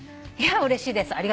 いやうれしいです。